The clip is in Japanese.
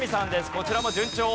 こちらも順調。